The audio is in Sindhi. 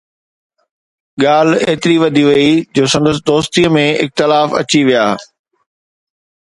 ڳالهه ايتري وڌي وئي جو سندن دوستيءَ ۾ اختلاف اچي ويا